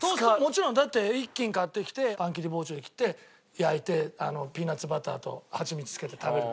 だって１斤買ってきてパン切り包丁で切って焼いてピーナツバターと蜂蜜つけて食べる。